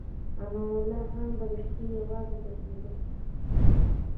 امان الله خان به د شپې یوازې ګرځېده.